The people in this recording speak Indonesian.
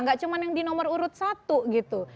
gak cuma yang di nomor urut satu gitu